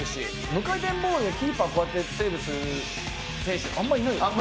無回転ボールをキーパーがこうやってセーブする選手あんまいないよね？